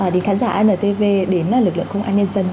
đến khán giả antv đến lực lượng công an nhân dân